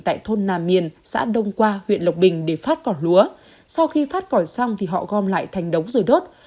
tại thôn nà miền xã đông qua huyện lộc bình để phát cỏ lúa sau khi phát cỏ xong thì họ gom lại thành đống rồi đốt